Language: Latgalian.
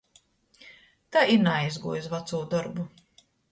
Tai i naaizguoju iz vacū dorbu.